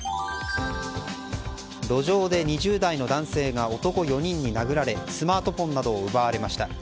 路上で２０代の男性が男４人に殴られスマートフォンなどを奪われました。